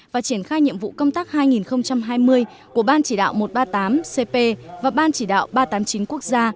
và triển khai nhiệm vụ công tác hai nghìn hai mươi của ban chỉ đạo một trăm ba mươi tám cp và ban chỉ đạo ba trăm tám mươi chín quốc gia